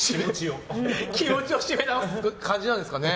気持ちを締め直す感じなんですかね。